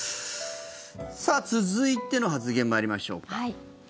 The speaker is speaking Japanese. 続いての発言、参りましょうか。